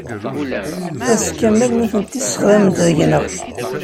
Ass kamel nutenti ssexdament deg-nteɣ.